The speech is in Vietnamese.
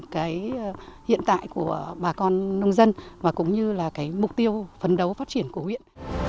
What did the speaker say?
cái hiện tại của bà con nông dân và cũng như là cái mục tiêu phấn đấu phát triển của huyện